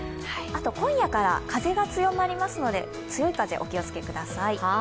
今夜から風が強まりますので、強い風にお気をつけください。